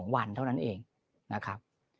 วันเท่านั้นเองนะครับ